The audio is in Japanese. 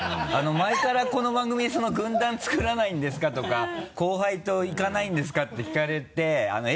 前からこの番組で軍団作らないんですか？とか後輩と行かないんですか？って聞かれて偉